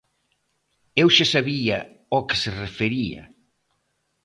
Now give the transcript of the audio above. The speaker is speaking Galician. Eu xa sabía ao que se refería.